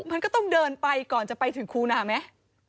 มันก็ต้องเดินไปก่อนจะไปถึงคูนาไหม